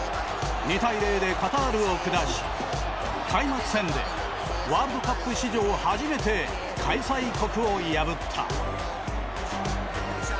２対０でカタールを下し開幕戦でワールドカップ史上初めて開催国を破った。